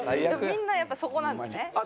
みんなやっぱそこなんですね。